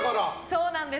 そうなんです。